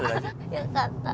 よかった。